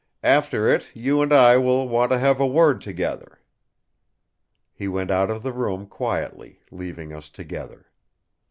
After it, you and I will want to have a word together." He went out of the room quietly, leaving us together.